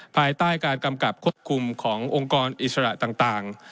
ภายใต้การกำกับควบคุมขององค์กรอิสระต่าง